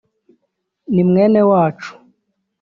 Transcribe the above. Ni mwene wacu